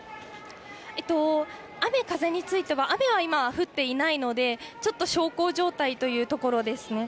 雨風については、雨は今、降っていないので、ちょっと小康状態というところですね。